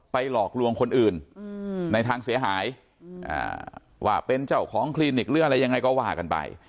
หลอกลวงคนอื่นในทางเสียหายว่าเป็นเจ้าของคลินิกหรืออะไรยังไงก็ว่ากันไป